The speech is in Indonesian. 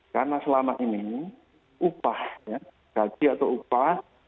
karena selama ini upah gaji atau upah